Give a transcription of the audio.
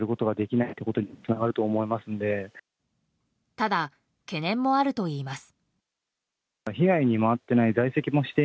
ただ、懸念もあるといいます。